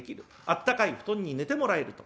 あったかい布団に寝てもらえると大喜び。